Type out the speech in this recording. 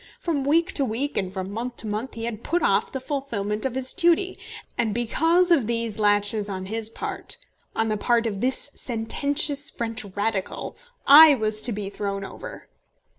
From week to week and from month to month he had put off the fulfilment of his duty. And because of these laches on his part, on the part of this sententious French Radical, I was to be thrown over!